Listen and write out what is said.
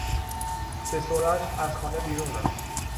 به سرعت از خانه بیرون رفت.